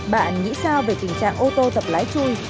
bạn nghĩ sao về tình trạng ô tô tập lái chui